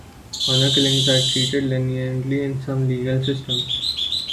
Honor killings are treated leniently in some legal systems.